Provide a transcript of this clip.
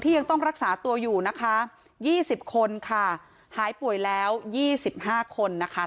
ยังต้องรักษาตัวอยู่นะคะ๒๐คนค่ะหายป่วยแล้ว๒๕คนนะคะ